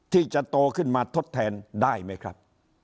ที่จะโตขึ้นมาทดแทนได้ไหมครับ